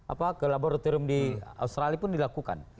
apa ke laboratorium di australia pun dilakukan